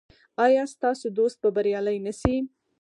ایا ستاسو دوست به بریالی نه شي؟